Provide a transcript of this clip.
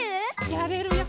やれるよ。